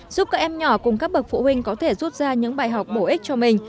giúp các em nhỏ cùng các bậc phụ huynh có thể rút ra những bài học bổ ích cho mình